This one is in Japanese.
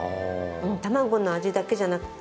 卵の味だけじゃなくて。